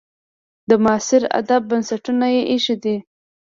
د معاصر ادب بنسټونه یې ایښي دي.